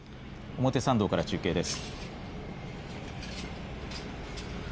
表参道から中継です。